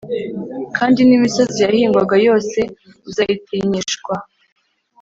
Kandi n imisozi yahingwaga yose uzayitinyishwa